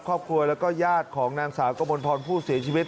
ครอบครัวแล้วก็ญาติของนางสาวกมลพรผู้เสียชีวิต